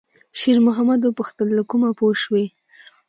شېرمحمد وپوښتل: «له کومه پوه شوې؟»